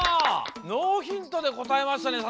ノーヒントでこたえましたね